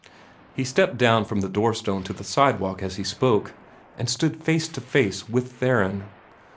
He stepped down from the door stone to the sidewalk as he spoke, and stood face to face with Theron.